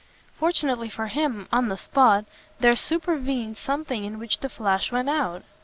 Fortunately for him, on the spot, there supervened something in which the flash went out.